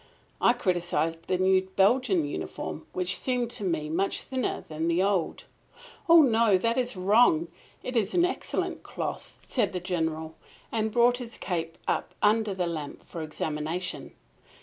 I criticised the new Belgian uniform, which seemed to me much thinner than the old. "That is wrong. It is of excellent cloth," said the General, and brought his cape up under the lamp for examination.